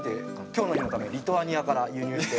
今日の日のためリトアニアから輸入して。